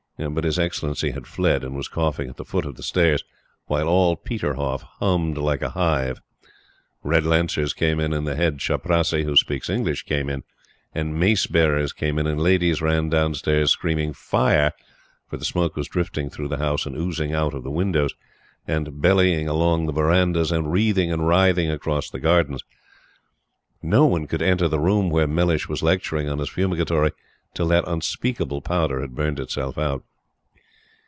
But His Excellency had fled, and was coughing at the foot of the stairs, while all Peterhoff hummed like a hive. Red Lancers came in, and the Head Chaprassi, who speaks English, came in, and mace bearers came in, and ladies ran downstairs screaming "fire;" for the smoke was drifting through the house and oozing out of the windows, and bellying along the verandahs, and wreathing and writhing across the gardens. No one could enter the room where Mellish was lecturing on his Fumigatory, till that unspeakable powder had burned itself out.